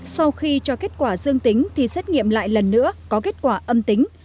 sau khi cho kết quả dương tính thì xét nghiệm lại lần nữa có kết quả âm tính